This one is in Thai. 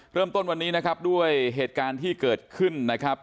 เริ่มต้นวันนี้นะครับด้วยเหตุการณ์ที่เกิดขึ้นนะครับ